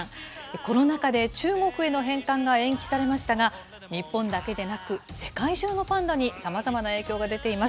コロナ禍で中国への返還が延期されましたが、日本だけでなく、世界中のパンダにさまざまな影響が出ています。